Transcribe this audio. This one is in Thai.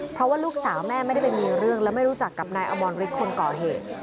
เพราะว่าลูกสาวแม่ไม่ได้ไปมีเรื่องและไม่รู้จักกับนายอมรฤทธิ์คนก่อเหตุ